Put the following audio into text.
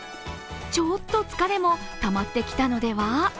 ちょっと疲れもたまってきたのでは？